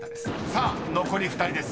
［さあ残り２人です。